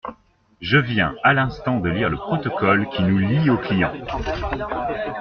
Je viens à l'instant de lire le protocole qui nous lie au client.